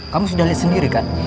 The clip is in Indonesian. kamu sudah lihat sendiri kan